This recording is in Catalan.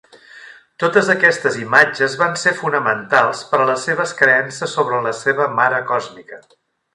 Totes aquestes imatges van ser fonamentals per a les seves creences sobre la seva "Mare Còsmica".